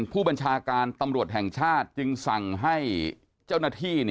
ผู้บัญชาการตำรวจแห่งชาติจึงสั่งให้เจ้าหน้าที่